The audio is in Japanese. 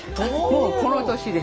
もうこの年で。